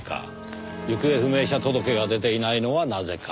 行方不明者届が出ていないのはなぜか。